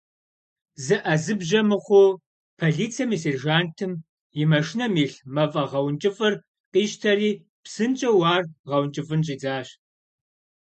ЗыӀэзыбжьэ мыхъуу, полицэм и сержантым и машинэм илъ мафӀэгъэункӀыфӀыр къищтэри, псынщӀэу ар гъэункӀыфӀын щӀидзащ.